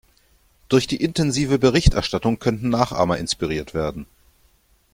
Durch die intensive Berichterstattung könnten Nachahmer inspiriert werden.